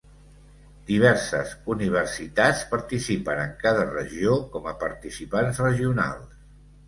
Diverses universitat participen en cada regió com a participants regionals.